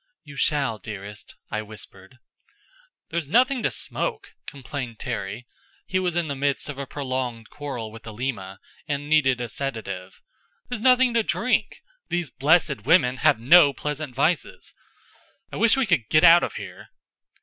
"You shall, dearest," I whispered. "There's nothing to smoke," complained Terry. He was in the midst of a prolonged quarrel with Alima, and needed a sedative. "There's nothing to drink. These blessed women have no pleasant vices. I wish we could get out of here!"